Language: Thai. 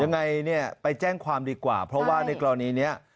ยังไงเนี่ยไปแจ้งความดีกว่าเพราะว่าในกรณีนี้